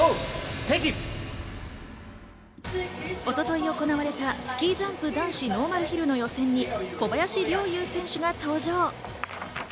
一昨日行われたスキージャンプ男子ノーマルヒルの予選に小林陵侑選手が登場。